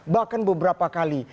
bahkan beberapa kali